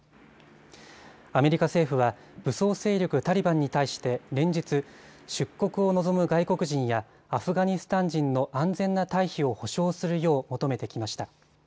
アメリカ政府は武装勢力タリバンに対して連日、出国を望む外国人やアフガニスタン人の安全な退避を保証するよう求めてきました。